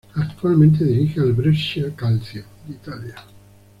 Actualmente dirige al Brescia Calcio de Italia.